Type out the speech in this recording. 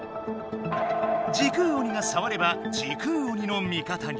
時空鬼がさわれば時空鬼の味方に。